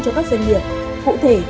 cho các doanh nghiệp hậu thể